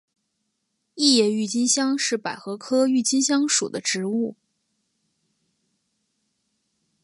异叶郁金香是百合科郁金香属的植物。